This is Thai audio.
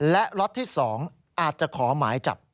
และล็อตที่๒อาจจะขอหมายจับ